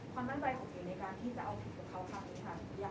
ความตั้งใจของจริงในการที่จะเอาผิดกับเขาค่ะ